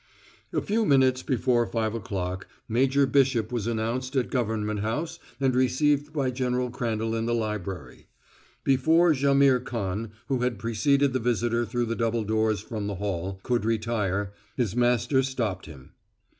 A few minutes before five o'clock, Major Bishop was announced at Government House and received by General Crandall in the library. Before Jaimihr Khan, who had preceded the visitor through the double doors from the hall, could retire, his master stopped him.